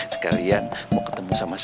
sekalian mau ketemu sama saya